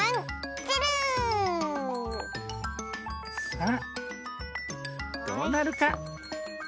さあどうなるか？